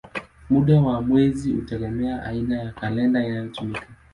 Muda wa mwezi unategemea aina ya kalenda inayotumika.